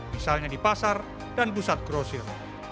misalnya di pasar dan pusat grosir